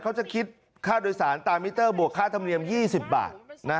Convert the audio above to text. เขาจะคิดค่าโดยสารตามมิเตอร์บวกค่าธรรมเนียม๒๐บาท